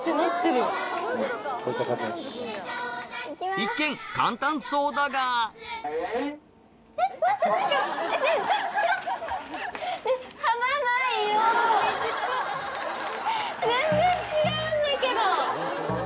一見簡単そうだが全然違うんだけど。